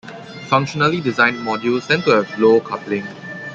Functionally designed modules tend to have low coupling.